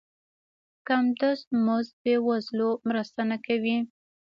کم دست مزد بې وزلو مرسته نه کوي.